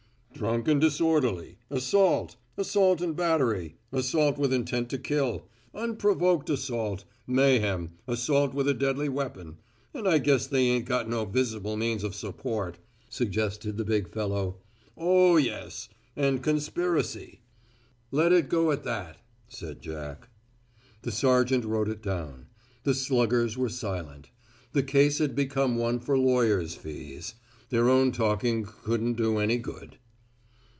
"Drunk and disorderly; assault; assault and battery; assault with intent to kill; unprovoked assault; mayhem; assault with a deadly weapon and I guess they ain't got no visible means of support," suggested the big fellow. "Oh! yes, and conspiracy." "Let it go at that," said Jack. The sergeant wrote it down. The sluggers were silent. The case had become one for lawyers' fees. Their own talking couldn't do any good.